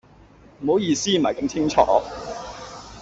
唔好意思，唔係咁清楚